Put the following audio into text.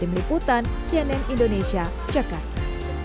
dimeriputan cnn indonesia jakarta